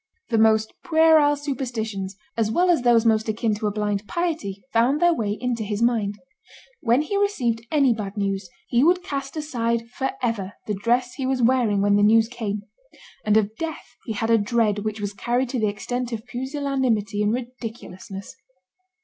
The most puerile superstitions, as well as those most akin to a blind piety, found their way into his mind. When he received any bad news, he would cast aside forever the dress he was wearing when the news came; and of death he had a dread which was carried to the extent of pusillanimity and ridiculousness.